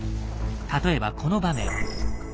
例えばこの場面。